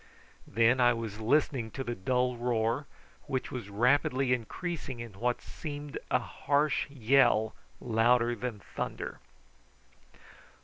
Then I was listening to the dull roar, which was rapidly increasing into what seemed a harsh yell louder than thunder.